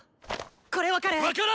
これ分かる？